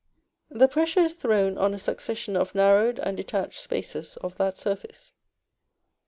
the pressure is thrown on a succession of narrowed and detached spaces of that surface.